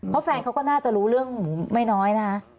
เพราะแฟนเขาก็น่าจะรู้เรื่องหมูไม่น้อยนะคะ